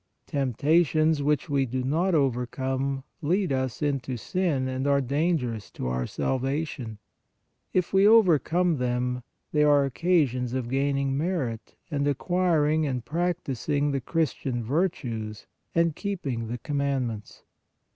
Temptations which we do not overcome lead us into sin and are dangerous to our salvation. If we overcome them, they are occasions of gaining merit and acquiring and prac tising the Christian virtues and keeping the com mandments.